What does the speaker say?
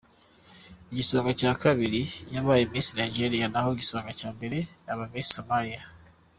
Igisonga cye cya kabiri yabaye Miss Nigeria naho igisonga cya mbere aba Miss Somalia.